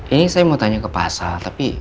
ini saya mau tanya ke pasal tapi